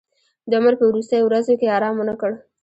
د عمر په وروستیو ورځو کې ارام ونه کړ.